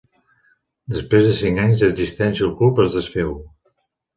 Després de cinc anys d'existència el club es desféu.